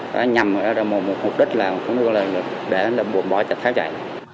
chỉ nhằm một mục đích là để buồn bỏ rồi tháo chạy